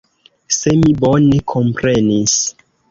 Se mi bone komprenis.